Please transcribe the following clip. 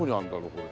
これ。